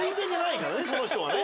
その人はね。